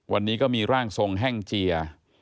วันนี้ก็มีร่างทรงแห้งเจีย